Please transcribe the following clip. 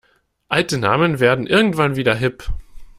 Alte Namen werden irgendwann wieder hip.